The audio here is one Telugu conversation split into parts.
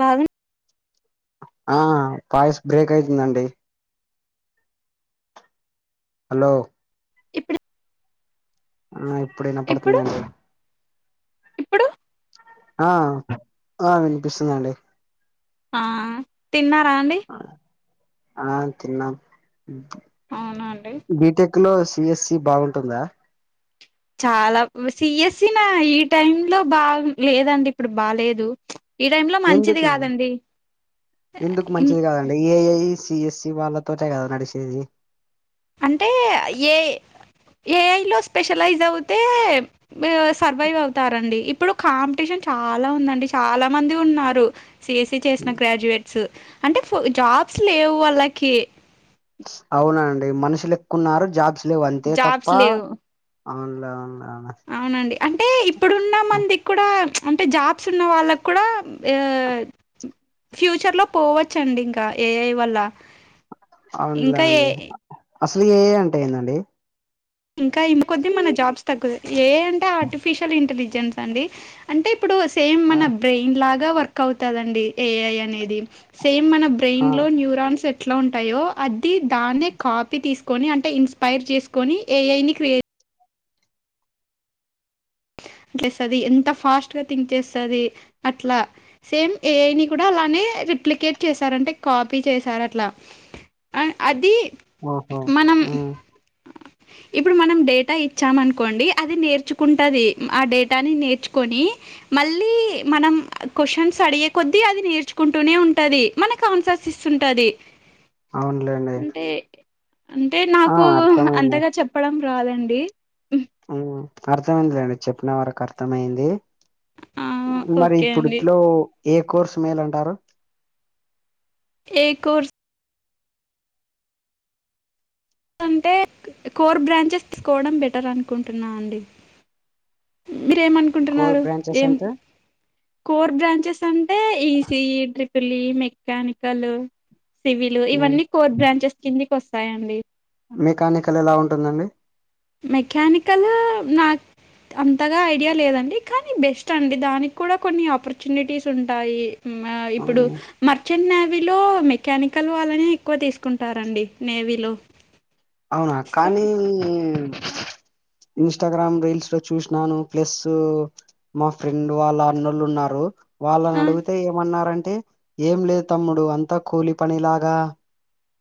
బాగు ఆ వాయస్ బ్రేక్ అయితుందండి హలో ఇప్పుడు ఆ ఇప్పుడిన ఇప్పుడు పడుతుందండి ఇప్పుడు ఆ ఆ వినిపిస్తుందండి ఆ తిన్నారా అండి ఆ తిన్నాము అవునా అండి బీటెక్ లో సిఎస్సి బాగుంటుందా అలా సిఎస్సి నా ఈ టైమ్ లో బా లేదండి ఇప్పుడు బాలేదు ఈ టైమ్ లో మంచిది ఎందుకండి కాదండి అంటే ఏఐ సిఎస్సి వాళ్ళతోటె కదా నడిచేది అంటే ఏ ఏఐలో స్పెషలైజ్ అవుతే సర్వైవ్ అవుతారండి ఇప్పుడు కాంపిటీషన్ చాలా ఉందండి చాలా మంది ఉన్నారు సిఎస్సి చేసిన గ్రాడ్యుయేట్స్ అంటే జాబ్స్ లేవు వాళ్ళకి అవునండి మనుషులు ఎక్కున్నారు జాబ్స్ లేవు అంతే తప్ప జాబ్స్ లేవు అవునలే అవునలేన అవునండి అంటే ఇప్పుడున్న మందికి కూడా అంటే జాబ్స్ ఉన్న వాళ్ళకు కూడా ఫ్యూచర్ లో పోవచ్చండి ఇంకా ఏఐ వల్ల అవునులే ఇంకా ఏ అండి అసలు ఏఐ అంటే ఎందండి ఇంకా ఇంకొద్ది మన జాబ్స్ తగ్గు ఏ అంటే ఆర్టిఫిషియల్ ఇంటెలిజెన్స్ అండి అంటే ఇప్పుడు సేమ్ ఆ మన బ్రెయిన్ లాగా వర్క్ అవుతదండి ఏఐ అనేది సేమ్ మన ఆ బ్రెయిన్ లో న్యూరాన్స్ ఎ ఎట్లా ఉంటాయో అది దాన్ని కాపీ తీసుకొని అంటే ఇన్స్పైర్ చేసుకొని ఏఐ ని క్రి అట్లీస్తది ఎంత ఫాస్ట్ గా థింక్ చేస్తది అట్లా సేమ్ ఏఐ ని కూడా అలానే డూప్లికేట్ చేసారంటే కాపీ చేసారు అట్లా అ అది ఓహో మనం ఉమ్ ఇప్పుడు మనం డేటా ఇచ్చమనుకోండి అది నేర్చుకుంటది ఆ డేటాని నేర్చుకొని మళ్ళీ మనం క్వశన్స్ అడిగే కొద్దీ అది నేర్చుకుంటూనే ఉంటది మనకు ఆన్ససిస్తుంటది అవునులేండి అంటే అంటే ఆ నాకు అర్థమైంది అంతగా చెప్పడం రాదండి అర్థమైందిదండి చెప్పిన వరకు అర్థమయింది ఆ మరి ఓకే అండి ఇప్పుడిట్లో ఏ కోర్సు మేలు అంటారు ఏకోర్స్ అంటే కోర్ బ్రాంచెస్ తీసుకోవడం బెటర్ అనుకుంటున్నా అండి కోర్ మీరేమనుకుంటున్నారు బ్రాంచెస్ ఏం అంటే కోర్ బ్రాంచెస్ అంటే E C E, triple E, mechanical civil హ్మ్. ఇవన్నీ కోర్ బ్రాంచెస్ కిందికి వస్తాయండి మెకానికల్ ఎలా ఉంటుందండి మెకానికల్ నాక్ అంతగా ఐడియా లేదండి కానీ బెస్ట్ అండి దానిక్కుడా కొన్ని ఆపర్చునిటీస్ ఉంటాయి ఉమ్ ఆ ఇప్పుడు హ్మ్. మర్చ్ తె నావీలో మెకానికల్ వాళ్ళనే ఎక్కువ తీసుకుంటారండి నేవీలో అవునా సో కానీ ఇన్స్టాగ్రామ్ రీల్స్ లో చూసినాను ప్లస్ మా ఫ్రెండ్ వాళ్ళ అన్నలున్నారు వాళ్ళనడుగితే ఏమన్నారంటే ఏం లేదు తమ్ముడు అంతా కూలి పని లాగా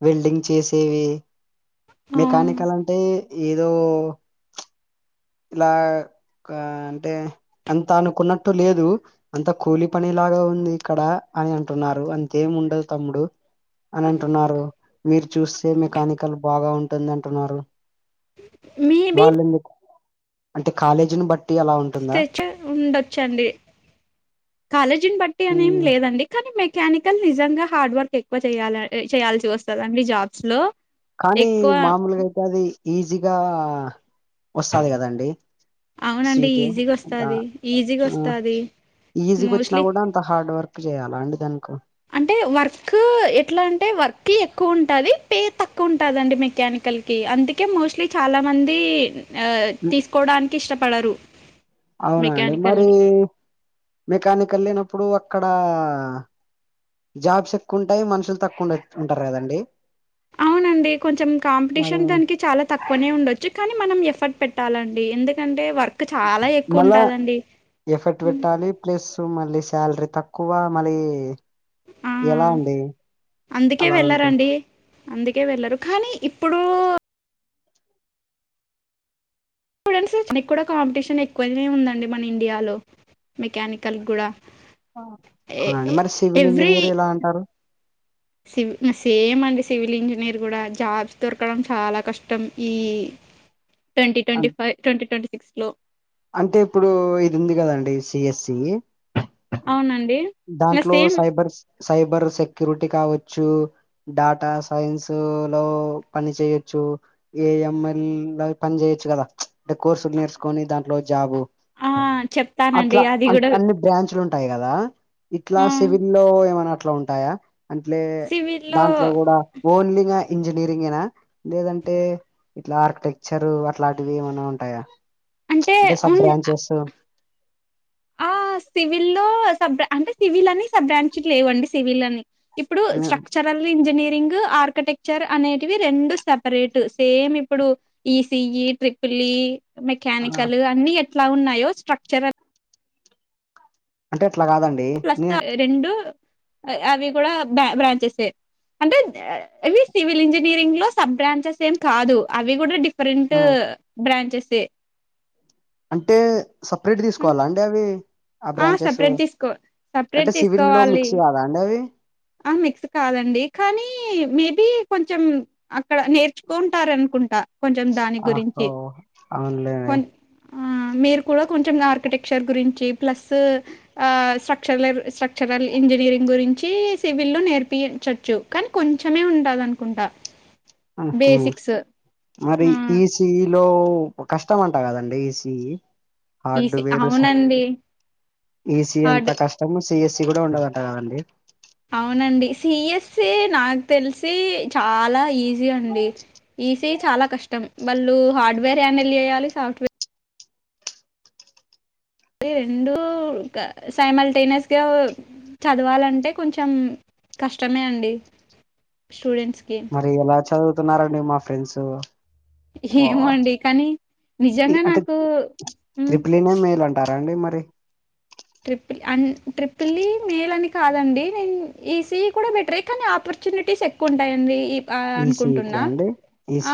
వెల్డింగ్ చేసేవి మెకానికల్ అంటే ఏదో ఇలా అంటే అంత అనుకున్నట్టు లేదు అంత కూలి పని లాగా ఉంది ఇక్కడ అని అంటున్నారు అంతేం ఉండదు తమ్ముడు అనన్టున్నారు మీరు చూస్తే మెకానికల్ బాగా ఉంటుంధంటున్నారు మేబీ వాళ్లెందుకు అంటే కాలేజీని బట్టి అలా ఉన్ తెచ్చే ఉండొచ్చండి కాలేజీని బట్టి అనేం ఉమ్ లేదండి కనీ మెకానికల్ నిజంగా హార్డ్ వర్క్ ఎక్కువ చేయాల చేయాల్సి వస్తదండి జాబ్స్ లో కానీ ఎక్కువ మామూలుగయితే అది ఈజీగా వస్తాది కదండి అవునండి సీటు ఈజీగా అ వస్తది ఈజీగా ఆ వస్తది ఈజీగొచ్చినా మోస్ట్లీ గూడ త హార్డ్ వర్క్ జేయ్యాలా అండి దానికు అంటే వర్క్ ఎట్లా అంటే వర్క్ ఎక్కువ ఉంటాది పే తక్కువుంటాదండి మెకానికల్ కి అందుకే మోస్ట్లీ చాలా మంది ఆ ఉమ్, తీసుకోడానికి ఇష్టపడరు అవునండి మెకానికల్ మరీ ని మెకానికల్ లేనప్పుడు అక్కడ జాబ్స్ ఎక్కువుంటాయి మనుషులు తక్కుఉండా ఉంటారు కదండి అవునండి డి కొంచెం మరి కాంపిటీషన్ దానికి చాలా తక్కువ వనే ఉండొచ్చు కనీ మనం ఎఫర్ట్ పెట్టాలండి ఎందుకంటే వర్క్ క్ చాలా ఎక్కువ మళ్ళా ఉంటాదండి ఎఫర్ట్ పెట్టాలి ప్లస్ మళ్ళీ శాలరీ తక్కువ మళ్ళీ ఆ ఎలా అండి అందుకే అలా ఉంటే వెళ్ళరండి అందుకే వెళ్లరు కానీ ఇప్పుడు స్టూడెంట్స్ నిక్కుడా కాంపిటీషన్ ఎక్కువనే ఉందండి మన ఇండియాలో మెకానికల్ గ్గుడా అవునా అండి మరి సివిల్ ఇంజనీర్ ఎలా అంటారు సివి ఇంగ సేమ్ అండి సివిల్ ఇంజనీర్ కూడా జాబ్స్ దొరకడం చాలా కష్టం ఈ ట్వంటీ ట్వంటీ అన్- ఫైవ్, ట్వంటీ ట్వంటీ సిక్స్ లో అంటే ఇప్పుడు ఇది ఉంది కదండి సి ఎస్ సి అవునండ్ దాంట్లో సైబర్ సైబర్ సెక్యూరిటీ కావచ్చు డాటా సైన్స్ లో పని చేయొచ్చు ఏ ఎం ఎల్ లాగ పని జేయొచ్చు కదా అంటే కోర్సులు నేర్చుకొని దాంట్లో జాబు ఆ అట్ల చెప్తానండి అది అన్ కూడా అన్ని బ్రాంచ్లుంట్ టాయి గదా ఇట్లా ఆ సివిల్ లో ఏమైనా అట్లా ఉంటాయా అంట్లే సివిల్లో దాంట్లో కూడా ఓన్లీగా ఇంజనీరింగేనా లేదంటే ఇట్లా ఆర్కిటెక్చర్ అట్లాంటివి ఏమైనా ఉంటాయా అంటే సబ్ బ్రాంచెస్ ఆ సివిల్ల్లో సబ్ అంటే సివిల్ అని బ్రాంచ్ లేవండి సివిల్ అని ఇప్పుడు స్ట్రక్చ రల్ ఇంజనీరింగ్ ఆర్కిటెక్చర్ అనేటివి రెండు సపరేట్ సేమ్ ఇప్పుడు ఈసఈ ట్రిపులీ మెకానికల్ అన్ని ఎట్లా ఉన్నాయో స్ట్రక్చరల్ అంటే అట్లా కాదండి ప్లస్ నేను రెండు అవి కూడా బ బ్రాంచెసే అంటే ఇవి సివిల్ ఇంజనీరింగ్ లో సబ్ బ్రాంచెస్ ఏం కాదు అవి కూడా డిఫ్ ఫరెంట్ ఆ, బ్రాంచెసే అంటే సపరేట్ తీసుకోవాలా అండి అవి ఆ బ్రాంచెస్ సపరేట్ తీసుకో అంటే సపరేట్ సివిల్ లో తీసుకోవాలి మిక్స్ కాదా అండి అవి ఆ మిక్స్ కాదండి కానీ మేబి కొంచెం అక్కడ నేర్చుకుంటారనుకుంటా కొంచెం దాని ఆహో గురించి అవునులేండి కొం ఆ మీరు కూడా కొంచెం ఆర్కిటెక్చర్ గురించి ప్లస్ ఆ స్ట్రక్చలర్ స్ట్రా లక్చరల్ ఇంజనీరింగ్ గురించి సివిల్ లో నేర్పించచ్చు కానీ కొంచమే ఉండాలనుకుంటా మరి ఆ ఈస్ట్ ఈలో కష్టం అంట కదండి ఈసిఈ హార్డ్ ఈసి వేరు అవునండి ఈసి అంత హార్డ్ కష్ట మీ సిఎస్సి కూడా ఉండదట కదండి అవునండి సిఎస్సి నాకు తెలిసి చాలా ఈజీ అండి ఈ ఈ చాలా కష్టం ఆ వాళ్ళు హార్డ్వేర్ హ్యాండిల్ చేయాలి సాఫ్ట్వేర్ ఈ రెండు సైమల్ టెనస్ గా చదవాలంటే కొంచెం కష్టమే అండి స్టూడెంట్స్ కి మరి ఎలా చదువుతున్నారండి మా ఫ్రెండ్స్ ఓ ఏమో అండి కానీ ఈ నిజంగా అంటే నాకు హ్మ్. త్రిపులినే మేల్ అంట్ టారండి మరి ట్రిపుల్ అం ట్రిపులీ మేలని కాదండి నేన్ ఈసీఈ కూడా బెటరే కానీ ఆపర్చునిటీస్ ఎక్ క్కుఉంటాయండి ఈసీఈకి అనుకుంటున్నా అండి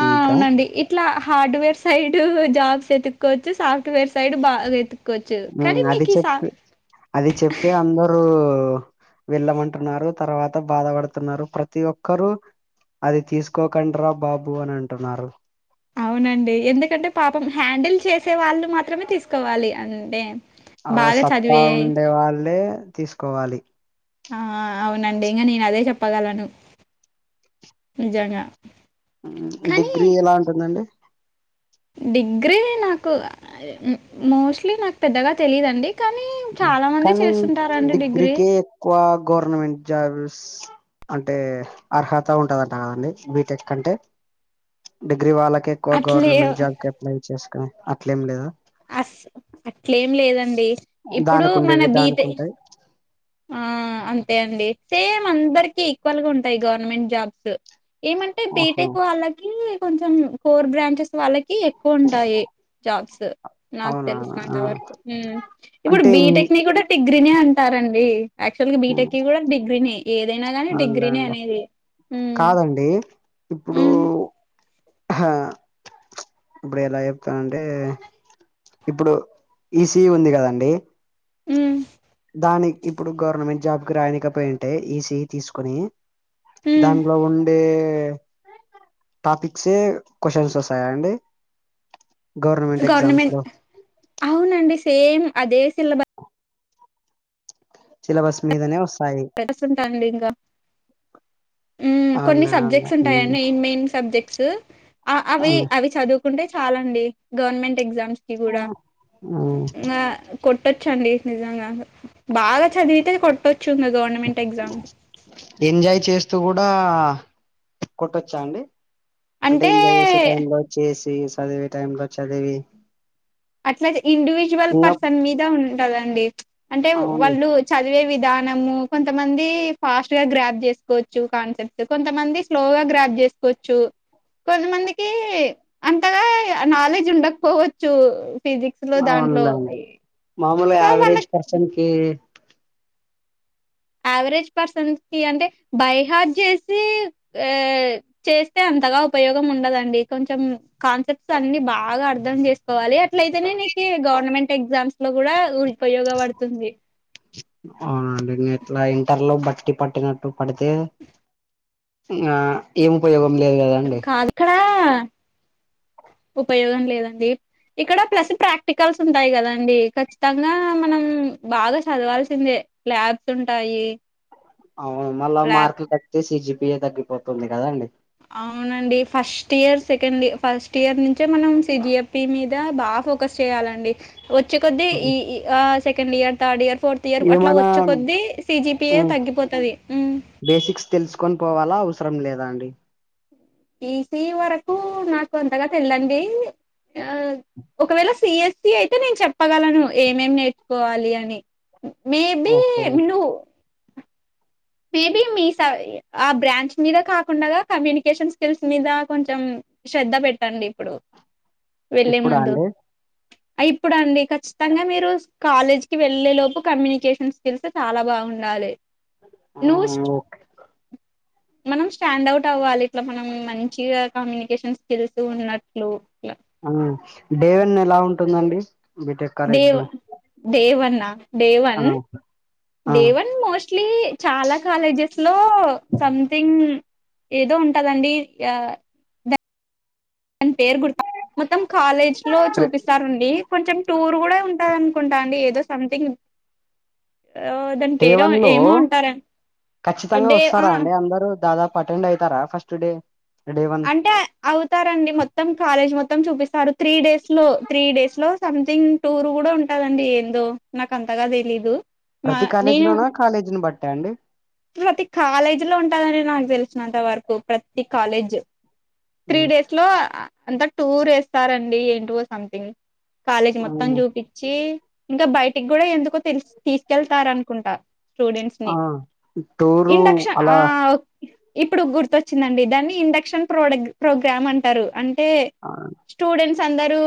ఆ అవునండి ఇట్లా హార్డ్వేర్ సైడ్ జాబ్స్ ఎతుక్కోవచ్చు సాఫ్ట్వేర్ సైడ్ బాగా ఎత్తు కొచ్చు కనీ ఉమ్, అది మీకి చెప్పి సాంగ్ అది చెప్పి అందరూ వెళ్ళమంటున్నారు తర్వాత బాధపడుతున్నారు ప్రతి ఒక్కరు అది తీసుకోకండ్రా బాబు అని అంటున్నారు అవునండి ఎందుకంటే పాపం హ్యాండిల్ చేసే వాళ్ళు మాత్రమే తీసుకోవాలి అంటే ఆ బాగా సత్తా చదివే ఉండే వాళ్ళే తీసుకోవాలి ఆ అవునండి ఇంకా నేను అదే చెప్పగలను నిజంగా కానీ డిగ్రీ ఎలా ఉంటుందండి డిగ్రీ నాకు మోస్ట్లీ నాకు పెద్దగా తెలిదండి కానీ డిగ్రీ. డిగ్రీకే ఎక్కువ గవర్నమెంట్ జాబ్స్ అంటే అర్హత ఉంటదంట కదండి బీటెక్ అంటే డిగ్రీ వాళ్ళకి ఎక్కువ అట్లే గవర్నమెంట్ జాబ్ కి అప్లై చేసుకుని అట్లేం లేదా అస్ అట్లేం లేదండి ఇప్పుడు దానికి మన ఉండేవి బీట్ దానికి ఉంటాయి ఆ అంతే అండి సేమ్ అందరికి ఈక్వల్ గా ఉంటాయి గవర్నమెంట్ జాబ్స్ ఏమంటే ఓహో బీటెక్ వాళ్ళకి కొంచెం కోర్ బ్రాంచెస్ వాళ్ళకి ఎ క్కువ ఉంటాయి జాబ్స్ నాక్ అవునా ఆ, తెలిసినంతవరకు మ్ ఇప్పుడు అంటే బీటెక్ ఇన్- ని కూడా డిగ్రీ నే అంటారండి యాక్చువల్గా బీటెక్ కి కూడా డిగ్రీనే ఏదైనా గానీ డిగ్రీనే అనేది ఏ ఇప్పుడు ఉమ్, హా ఇప్పుడు ఎలా చెప్తానంటే ఇప్పుడు ఈసీఇ ఉంది కదండి హ్మ్ దానికి ఇప్పుడు గవర్నమెంట్ జాబ్ కి రానికపోయింటే ఈసీఈ తీసుకుని ఉమ్. దాంట్లో ఉండే టాపిక్సే క్వశ్చన్స్ వస్తాయా అండి గవర్నమెంట్ ఎగ్జామ్స్ గవర్నమెం లో అవునండి సేమ్ అదే సిలబ సిలబస్ మీదనే వస్ పెడస్తుంటానండి ఇంకా హ్మ్ కొన్ని అవునులే అవునులే సబ్జెక్ట్స్ ఉంటాయండి మెయిన్ మెయిన్ సబ్జెక్ట్స్ ఆ అవి అవి చదువు కుంటే చాలండి గవర్నమెంట్ ఎగ్జామ్స్ కి కూడా మ్మ్ మ్మ్ ఆ కొట్టొచ్చండి నిజంగా బాగా చదివితే కొట్టొచ్చు ఇగ గవర్నమెంట్ ఎగ్జామ్ ఎంజాయ్ చేస్తూ కూడా కొట్టొచ్చా అండి అంటే చేసే టైం లో చేసే చదివే టైం లో చదివి అటు సైడ్ ఇండివిజువల్ ఇంగ పర్సన్ మీద ఉంటాదండి అంటే అవును వాళ్ళు చదివే విధానము కొంతమంది ఫాస్ట్ గా గ్రాప్ చేసుకోవచ్చు కాన్సెప్ట్ కొంతమంది స్లోగా గ్రాప్ చేసుకోవచ్చు కొంతమందికి అంతగా నాలెడ్జ్ ఉండకపోవచ్చు ఫిజిక్స్ లో దాంట్లో అవునులేండి మామూలుగా సో యావరేజ్ వాళ్ళకి పర్సన్ కి యావరేజ్ పర్సన్స్ కి అంటే బైహార్ట్ చేసి ఆ చేస్తే అంతగా ఉపయోగం ఉండదండి కొంచెం కాన్సెప్ట్స్ అన్ని బాగా అర్థం చేసుకోవాలి అట్లయితేనే నీకి గవర్నమెంట్ ఎగ్జామ్స్ లో కూడా ఉపయోగపడుతుంది అవునండి ఎట్లా ఇంటర్ లో బట్టి పట్టినట్టు పడితే ఇగ ఏం ఉపయోగం లేదు కదండి కాదు ఇక్కడ ఉపయోగం లేదండి ఇక్కడ ప్లస్ ప్రాక్టికల్స్ ఉంటాయి కదాండి ఖచ్చితంగా మనం బాగా చదవాల్సిందే ల్యాబ్స్ ఉంటాయి అవును మళ్ళ ల్యాబ్ మార్కులు తగ్గితే సిజిపిఏ తగ్గిపోతుంది కదండి అవునండి first year second first year నుంచే మనం సిజిఎపి మీద బాగా ఫోకస్ చేయాలండి వచ్చే కొద్దీ ఈ ఆ second year third year fourth year అట్లా ఏమైనా వచ్చే కొద్ద్దీ సిజిపియ మ్మ్ తగ్గిపోతది బేసిక్స్ తెలుసుకొని పోవాలా అవసరం లేదా అండి ఈ సీ వరకు నాకు అంతగా తెల్దండి ఆ ఒకవేళ సిఎస్సి అయితే నేను చెప్పగలను ఏమేం నేర్చుకోవాలి అని మేబి ఓహో మీరు మేబి మీ స ఆ బ్రాంచ్ మీద కాకుండగ కమ్యూనికేషన్ స్కిల్స్ మీద కొంచెం శ్రద్ధ పెట్టండి ఇప్పుడు వెళ్ళే ఇప్పుడా ముందు అండి ఇప్పుడు అండి ఖచ్చితంగా మీరు కాలేజీకి వెళ్ళే లోపు కమ్యూనికేషన్ స్కిల్స్ చాలా బాగుండాలి ఆ నూస్ట్ ఓకే మనం స్టాండ్ అవుట్ అవ్వాలి ఇట్లా మనం మంచిగా కమ్యూనికేషన్ స్కిల్స్ ఉన్నట్లు ఇలా హ్మ్ డే వన్ ఎలా ఉంటుందండి బీటెక్ కాలేజ్ డేవ లో డే వన్ డే ఆ వన్ ఆ డే వన్ మోస్ట్ ఇట్లీ చాలా కాలేజెస్ లో సంథింగ్ ఏదో ఉంటదండి ఆ దని పేరు గుత మొత్తం కాలేజీ లో రే- చూపిస్తారు అండి కొంచెం టూర్ కూడా ఉంటంది. అనుకుంటా అండి ఏదో సంథింగ్ దాని డే పేరు వన్ లో ఏమో ఉంటారు ఖచ్చితంగా డే వస్తారా ఆ అండి. అందరు దాదాపు అటెండ్ అయితారా ఫస్ట్ డే డే వన్ అంటే అవుతారండి మొత్తం కాలేజ్ మొత్తం చూపిస్తారు. త్రీ డేస్ లో త్రీ డేస్ లో సంథింగ్ టూర్ కూడా ఉంటదండి. ఏందో నాకు అంతగా తెలీదు మా ప్రతి కాలేజీ నేను లోన కాలేజీని బట్టా అండి ప్రతి కాలేజీ లో ఉంటందండి నాకు తెలిసినంత వరకు ప్రతి కాలేజ్ త్రీ ఉమ్, డేస్ లో అంత టూర్ వేస్తారండి. ఏంటో సంథింగ్ కాలేజీ మొత్తం ఉమ్, చూపించి ఇంకా బయటికి కూడా ఎందుకో తెలి తీ కేళ్తారూ అనుకుంట స్టూడెంట్స్ ని టు ఇండక్షన్ ఆ ఇప్పుడు గుర్తొచ్చిందండి. దాన్ని ఇండక్షన్ ప్రో ప్రోగ్రామ్ అంటారు. అంటే ఆ స్టూడెంట్స్ అందరు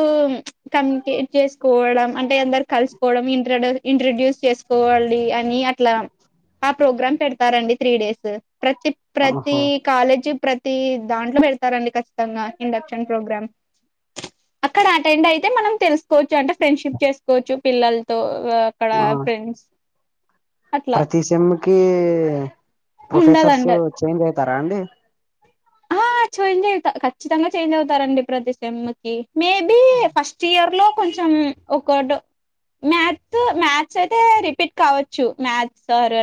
కమ్యూనికేట్ చేసుకోవడం అంటే అందరు కలిసుకోవడం. ఆ ఇంట్రడ్యూస్ చేసుకో కోవాలి. అని అట్లా ఆ ప్రోగ్రామ్ పెడతారండి. త్రీ డేస్ ప్రతి ప్రతి ఓహో కాలేజీ ప్రతి దాంట్లో పెడతారండి ఖచ్చితంగా ఇండక్షన్ ప్రోగ్రామ్ అక్కడ అటెండ్ అయితే మనం తెలుసుకోవచ్చు అంటే ఫ్రెండ్షిప్ చేసుకోవచ్చు పిల్లలతో అక్కడ ఆ ఫ్రెండ్స్ అట్లా ప్రతి సేమ్ మ్ కీ ప్రొఫెసర్స్ ఉండదండి చేంజ్ అయితారా అండి ఆ చేంజ్ అవుతరూ ఖచ్చితంగా చేంజ్ అవుతారండి ప్రతి సేమ్ మేబి ఫస్ట్ ఇయర్ లో కొంచం ఒకటి రెండు మ్యాథ్స్ మ్యాథ్స్ అయితే రిపీట్ కావోచ్చు మ్యాథ్స్ సర్